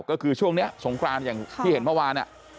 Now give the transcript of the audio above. ก็คือช่วงนี้สงครานอย่างที่เห็นเมื่อวาน